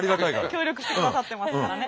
協力してくださってますからね。